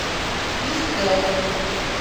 Ӱстел.